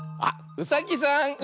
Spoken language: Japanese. うさぎさん。